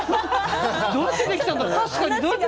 どうやって、できたんだろう。